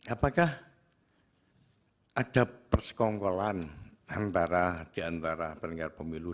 apakah ada persekongkolan diantara penyelenggara pemilu